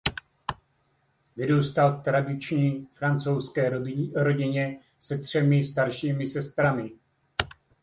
Vyrůstal v tradiční francouzské rodině se třemi staršími sestrami.